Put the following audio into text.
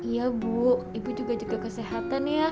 iya bu ibu juga jaga kesehatan ya